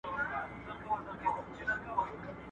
کرنه د طبيعتي پېښو سره مخ ده.